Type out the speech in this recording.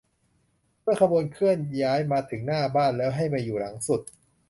เมื่อขบวนเคลื่อนย้ายมาถึงหน้าบ้านแล้วให้มาอยู่หลังสุด